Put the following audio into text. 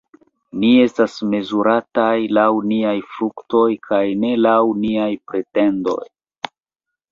Ni estas mezurataj laŭ niaj fruktoj kaj ne laŭ niaj pretendoj!